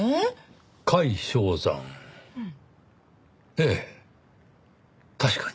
ええ確かに。